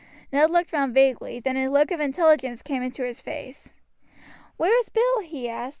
Ned looked round vaguely, then a look of intelligence came into his face. "Where is Bill?" he asked.